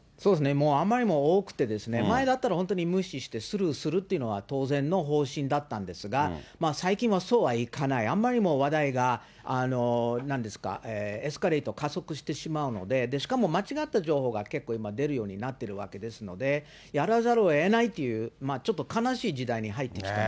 もうあまりにも多くて、前だったら本当に無視してスルーするっていうのは当然の方針だったんですが、最近はそうはいかない、あんまりにも話題がなんですか、エスカレート、加速してしまうので、しかも間違った情報が結構今、出るようになってるわけですので、やらざるをえないという、ちょっと悲しい時代に入ってきてる。